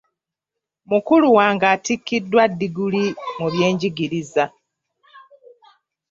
Mukulu wange atikiddwa ddiguli mu by'enjigiriza .